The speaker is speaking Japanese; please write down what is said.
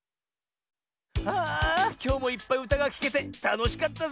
あきょうもいっぱいうたがきけてたのしかったぜ！